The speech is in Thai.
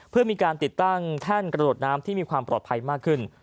เพื่อมีการติดตั้งแท่นกระโดดน้ำที่มีความปลอดภัยมากขึ้น